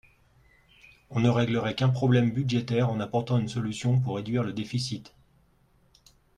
On ne réglerait qu’un problème budgétaire en apportant une solution pour réduire le déficit.